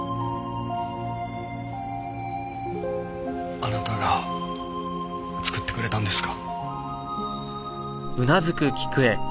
あなたが作ってくれたんですか？